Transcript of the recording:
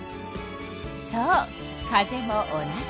そう風も同じ。